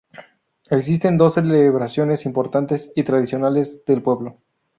Existen dos celebraciones importantes y tradicionales, del pueblo.